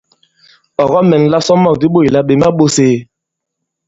Ɔ̀ kɔ-mɛ̀nla isɔmɔ̂k di ɓôt là "ɓè ma-ɓōs ēe?".